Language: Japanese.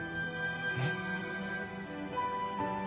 えっ。